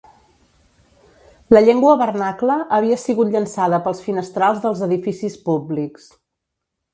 La llengua vernacla havia sigut llançada pels finestrals dels edificis públics.